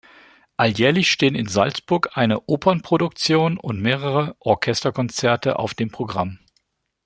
Alljährlich stehen in Salzburg eine Opernproduktion und mehrere Orchesterkonzerte auf dem Programm.